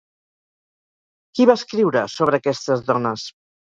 Qui va escriure sobre aquestes dones?